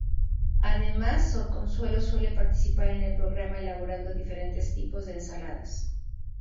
Además, Sor Consuelo suele participar en el programa elaborando diferentes tipos de ensaladas.